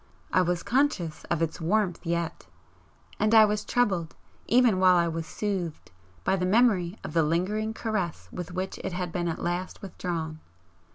I was conscious of its warmth yet, and I was troubled, even while I was soothed, by the memory of the lingering caress with which it had been at last withdrawn.